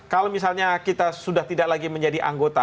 kalau misalnya kita sudah tidak lagi menjadi anggota